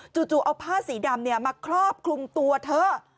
จู่เอาผ้าสีดำมาครอบคลุมตัวเธอ